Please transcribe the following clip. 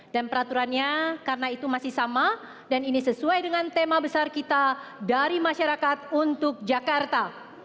dan peraturannya karena itu masih sama dan ini sesuai dengan tema besar kita dari masyarakat untuk jakarta